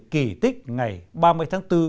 kỳ tích ngày ba mươi tháng bốn